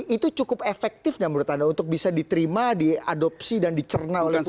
itu cukup efektif nggak menurut anda untuk bisa diterima diadopsi dan dicerna oleh publik